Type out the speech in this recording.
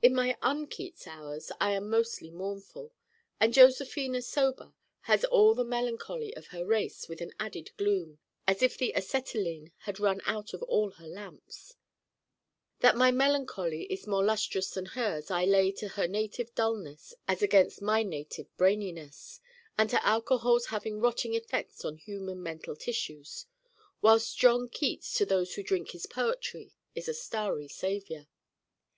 In my un Keats hours I am mostly mournful. And Josephina sober has all the melancholy of her race with an added gloom, as if the acetylene had run out of all her lamps. That my melancholy is more lustrous than hers I lay to her native dullness as against my native braininess, and to alcohol's having rotting effects on human mental tissues: whilst John Keats to those who drink his poetry is a starry savior.